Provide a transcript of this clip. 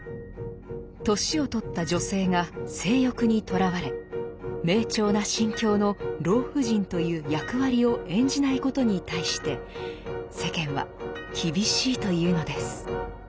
年を取った女性が性欲にとらわれ明澄な心境の老婦人という役割を演じないことに対して世間は厳しいというのです。